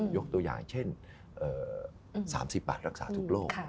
ยกตัวอย่างเช่น๓๐บาทรักษาทุกโรค